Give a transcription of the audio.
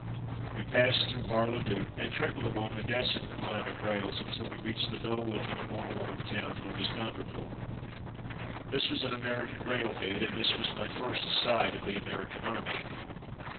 We passed through Bar le Duc, and trickled along a desolate line of rails until we reached the dull looking, war worn town known as Gondricourt. This was an American railhead, and this was my first sight of the American Army.